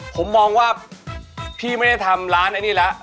ผมมองว่าพี่ไม่ได้ทำร้านไอ้นี่แล้ว